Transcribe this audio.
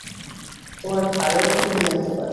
তোমার ঘাড়েও তো গুলি লাগতে পারে।